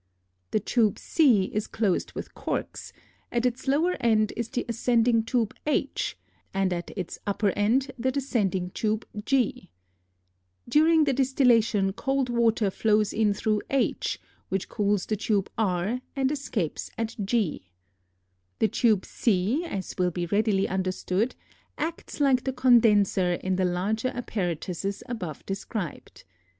The tube C is closed with corks, at its lower end is the ascending tube h, and at its upper end the descending tube g. During the distillation cold water flows in through h which cools the tube r and escapes at g. The tube C, as will be readily understood, acts like the condenser in the larger apparatuses above described.